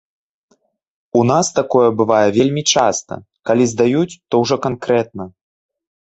У нас такое бывае вельмі часта, калі здаюць, то ўжо канкрэтна.